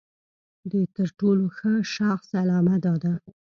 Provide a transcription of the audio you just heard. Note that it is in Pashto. د تر ټولو ښه شخص علامه دا ده.